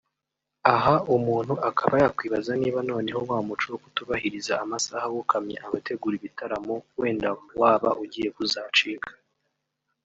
Aha umuntu akaba yakwibaza niba noneho wa muco wo kutubahiriza amasaha wokamye abategura ibitaramo wenda waba ugiye kuzacika